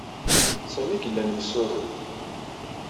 D Sami ay yellan yessurrut.